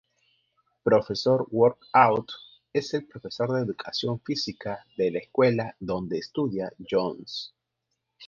Profesor Workout: Es el profesor de educación física de la escuela donde estudia Jones.